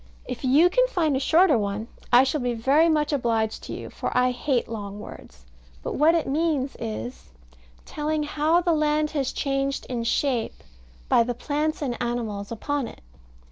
If you can find a shorter one I shall be very much obliged to you, for I hate long words. But what it means is, Telling how the land has changed in shape, by the plants and animals upon it.